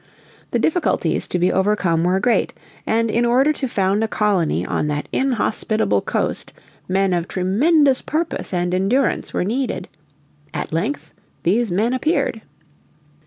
The difficulties to be overcome were great, and in order to found a colony on that inhospitable coast men of tremendous purpose and endurance were needed. At length these men appeared.